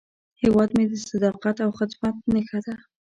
هیواد مې د صداقت او خدمت نښه ده